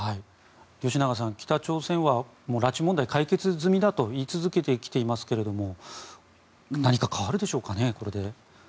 吉永さん、北朝鮮は拉致問題解決済みだと言い続けてきていますがこれで何か変わるでしょうかね。